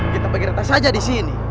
kita pergi rata saja disini